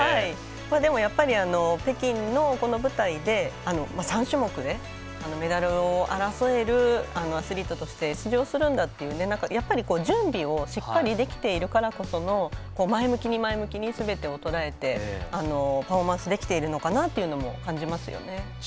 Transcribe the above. でも、やっぱり北京の舞台で３種目でメダルを争えるアスリートとして出場するんだっていう、準備をしっかりできているからこその前向きに前向きにすべてをとらえてパフォーマンスできていると感じますよね。